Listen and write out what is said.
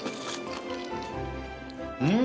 うん！